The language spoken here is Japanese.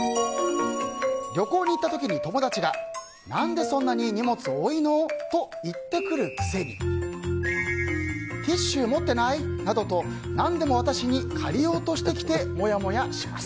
旅行に行った時に友達が何でそんなに荷物多いの？と言ってくるくせにティッシュ持ってない？などと何でも私に借りようとしてきてモヤモヤします。